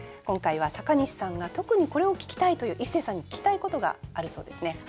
今回は阪西さんが特にこれを聞きたいというイッセーさんに聞きたいことがあるそうですね。